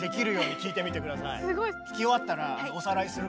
聴き終わったらおさらいするからね。